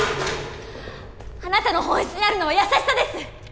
あなたの本質にあるのは優しさです！